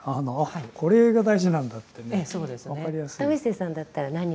これが大事なんだって分かりやすい。